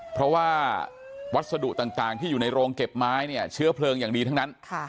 เพราะว่าวัสดุต่างที่อยู่ในโรงเก็บไม้เนี่ยเชื้อเพลิงอย่างดีทั้งนั้น